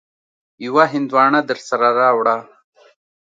يوه هندواڼه درسره راوړه.